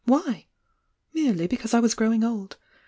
Why? Merely because I was growing old.